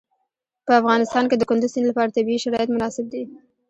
په افغانستان کې د کندز سیند لپاره طبیعي شرایط مناسب دي.